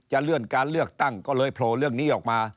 เลื่อนการเลือกตั้งก็เลยโผล่เรื่องนี้ออกมา